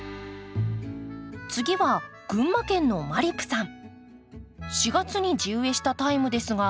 次は群馬県のまりぷさん。